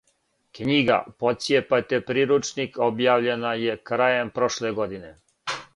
"Књига "Поцијепајте приручник" објављена је крајем прошле године."